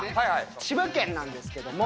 千葉県なんですけども。